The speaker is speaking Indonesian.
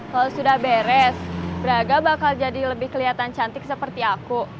kalau sudah beres braga bakal jadi lebih kelihatan cantik seperti aku